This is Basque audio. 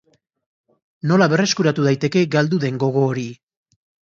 Nola berreskuratu daiteke galdu den gogo hori?